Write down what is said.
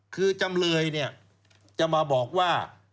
คือจำเลยจะมาบอกว่า